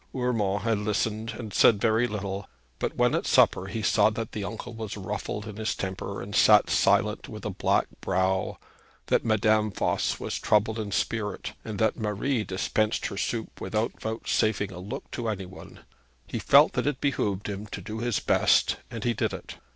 Urmand had listened and said very little; but when at supper he saw that the uncle was ruffled in his temper and sat silent with a black brow, that Madame Voss was troubled in spirit, and that Marie dispensed her soup without vouchsafing a look to any one, he felt that it behoved him to do his best, and he did it.